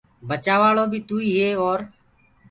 بچآوآݪو بي توئيٚ هي اور